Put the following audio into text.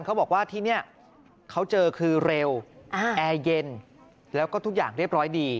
เขาบอกว่าที่นี่เขาเจอคือเร็วแอร์เย็นแล้วก็ทุกอย่างเรียบร้อยดี